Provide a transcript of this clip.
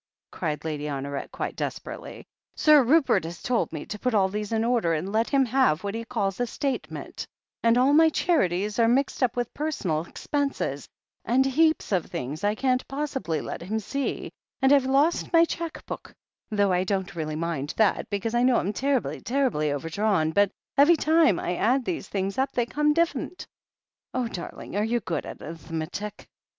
cried Lady Honoret quite desperately. "Sir Rupert has told me to put all these in order and let him have what he calls a state ment, and all my charities are mixed up with personal expenses, and heaps of things I can't possibly let him see, and I've lost my cheque book — ^though I don't really mind that, because I know I'm ter'ibly, ter'ibly overdrawn — ^but ev'ey time I add these things up they come diflF'ent. Oh, darling, are you good at a'ith metic